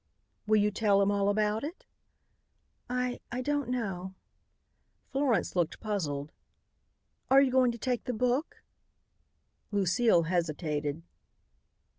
"Will you tell him all about it?" "I I don't know." Florence looked puzzled. "Are you going to take the book?" Lucile hesitated.